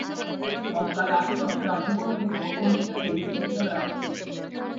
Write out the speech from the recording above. তৎকালে আশেপাশের রাজ্যগুলো থেকেও পণ্ডিতেরা এই বিশ্ববিদ্যালয়ে আসতেন।